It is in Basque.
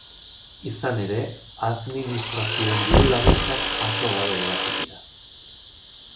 Izan ere, administrazioen diru-laguntzat jaso gabe geratu dira.